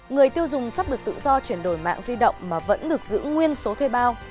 người tiêu dùng sắp được tự do chuyển đổi mạng di động mà vẫn được giữ nguyên số thuê bao